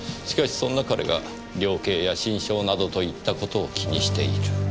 しかしそんな彼が量刑や心証などといった事を気にしている。